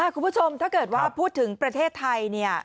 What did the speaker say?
คุณผู้ชมถ้าเกิดว่าพูดถึงประเทศไทยเนี่ย